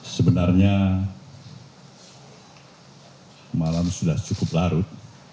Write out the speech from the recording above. sebenarnya malam sudah cukup larut